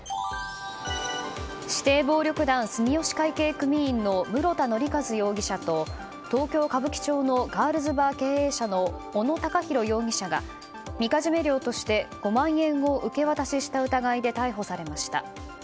指定暴力団住吉会系組員の室田憲和容疑者と東京・歌舞伎町のガールズバー経営者の小野高広容疑者がみかじめ料として５万円を受け渡しした疑いで逮捕されました。